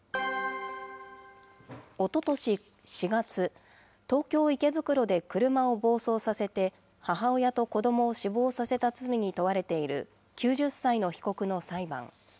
おととし４月、東京・池袋で車を暴走させて母親と子どもを死亡させた罪に問われている９０歳の被告の裁判。